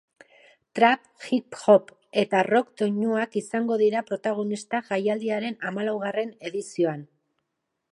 Trap, hip-hop eta rock doinuak izango dira protagonista jaialdiaren hamalaugarren edizioan.